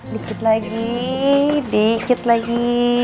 dikit lagi dikit lagi